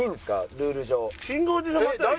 ルール上。